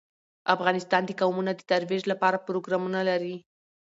افغانستان د قومونه د ترویج لپاره پروګرامونه لري.